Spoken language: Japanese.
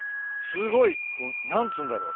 すごい何つうんだろう。